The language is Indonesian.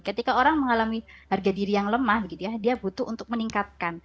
ketika orang mengalami harga diri yang lemah dia butuh untuk meningkatkan